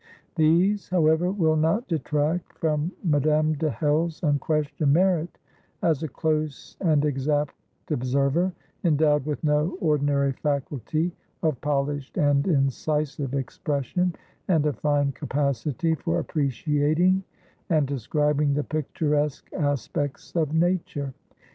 These, however, will not detract from Madame de Hell's unquestioned merit as a close and exact observer, endowed with no ordinary faculty of polished and incisive expression, and a fine capacity for appreciating and describing the picturesque aspects of nature.